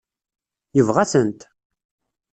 Yebɣa-tent?